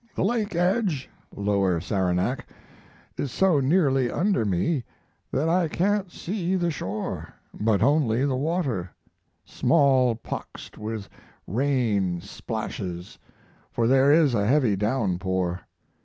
The lake edge (Lower Saranac) is so nearly under me that I can't see the shore, but only the water, small poxed with rain splashes for there is a heavy down pour.